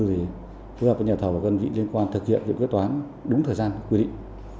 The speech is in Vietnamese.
thì phối hợp với nhà thầu và cân vị liên quan thực hiện việc quyết toán đúng thời gian quy định